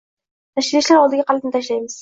Tashvishlar oldiga qalbni tashlaymiz